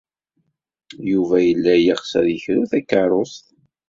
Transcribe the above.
Yuba yella yeɣs ad yekru takeṛṛust.